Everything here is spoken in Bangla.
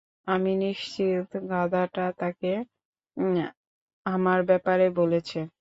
আমি নিশ্চিত গাধাটা তাকে আমার ব্যাপারে বলেছে।